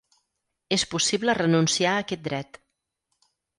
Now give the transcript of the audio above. És possible renunciar a aquest dret.